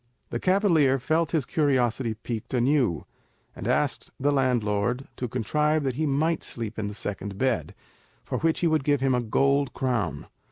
The cavalier felt his curiosity piqued anew, and asked the landlord to contrive that he might sleep in the second bed, for which he would give him a gold crown.